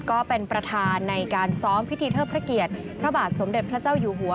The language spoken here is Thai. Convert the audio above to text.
ก็เป็นประธานในการซ้อมพิธีเทิดพระเกียรติพระบาทสมเด็จพระเจ้าอยู่หัว